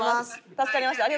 助かりました。